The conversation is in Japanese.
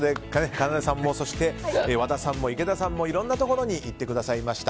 かなでさんもそして和田さんも池田さんもいろんなところに行ってくださいました。